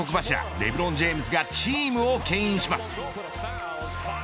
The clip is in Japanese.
レブロン・ジェームズがチームをけん引します。